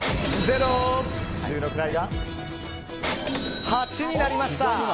十の位が８になりました。